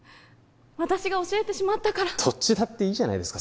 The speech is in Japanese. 私が教えてしまったからどっちだっていいじゃないですか